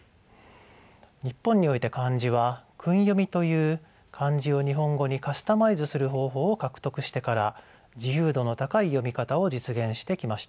日本において漢字は訓読みという漢字を日本語にカスタマイズする方法を獲得してから自由度の高い読み方を実現してきました。